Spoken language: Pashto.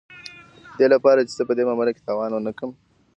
د دې لپاره چې زه په دې معامله کې تاوان ونه کړم